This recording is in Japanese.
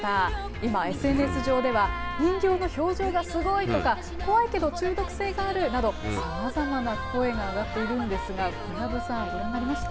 今、ＳＮＳ上では人形の表情がすごいとか怖いけど中毒性があるなどさまざまな声が上がっているんですが小籔さん、ご覧になりました。